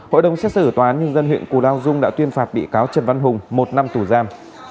hội đồng xét xử tòa án nhân dân huyện cù lao dung đã tuyên phạt bị cáo trần văn hùng một năm tù giam